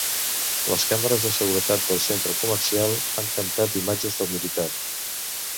Les càmeres de seguretat del centre comercial han captat imatges del militar.